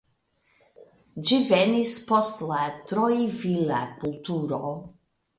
Ĝi venis post la Trojvila kulturo.